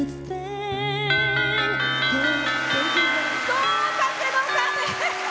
合格の鐘！